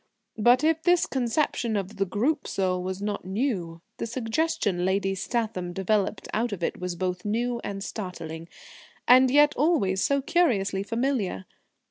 But if this conception of the Group Soul was not new, the suggestion Lady Statham developed out of it was both new and startling and yet always so curiously familiar.